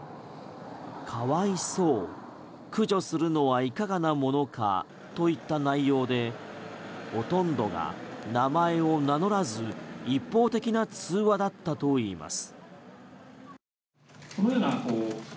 かわいそう駆除するのはいかがなものかといった内容でほとんどが名前を名乗らず一方的な通話だったといいます。